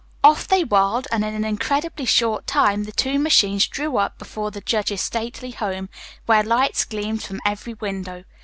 Off they whirled and in an incredibly short time the two machines drew up before the judge's stately home, where lights gleamed from every window.